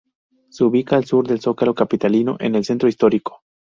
Se ubica al sur del Zócalo capitalino en el Centro Histórico.